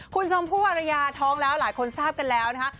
คุณชมพู่อารยาท้องแล้วหลายคนทราบกันแล้วนะคะ